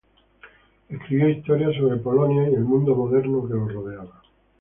Escribió historias sobre Polonia y el mundo moderno que lo rodeaba.